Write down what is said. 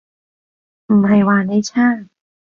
唔係話你差